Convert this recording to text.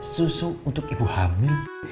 susu untuk ibu hamil